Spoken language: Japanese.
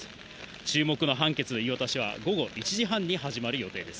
注目の判決の言い渡しは午後１時半に始まる予定です。